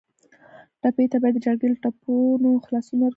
ټپي ته باید د جګړې له ټپونو خلاصون ورکړو.